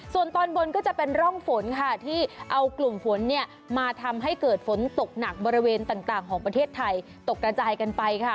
ส่วนตอนบนก็จะเป็นร่องฝนค่ะที่เอากลุ่มฝนเนี่ยมาทำให้เกิดฝนตกหนักบริเวณต่างของประเทศไทยตกกระจายกันไปค่ะ